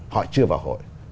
họ chưa vào hội